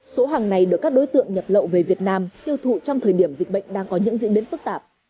số hàng này được các đối tượng nhập lậu về việt nam tiêu thụ trong thời điểm dịch bệnh đang có những diễn biến phức tạp